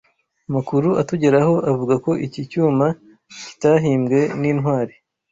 Amakuru atugeraho avuga ko iki cyuma kitahimbwe nintwari